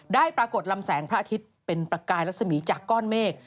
ได้ปรากฏลำแสงพระอาทิตย์เป็นประกายรัศมีจากก้อนเมฆ